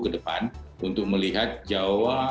kedepan untuk melihat jawa